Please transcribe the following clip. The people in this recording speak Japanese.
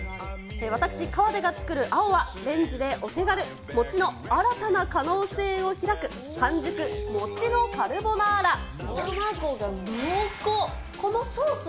私、河出が作る青は、レンジでお手軽、餅の新たな可能性を開く半熟餅のカルボナーラ。